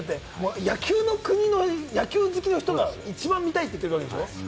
野球の国の野球好きの人が一番見たいと言っているんでしょ？